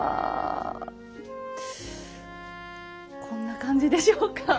こんな感じでしょうか？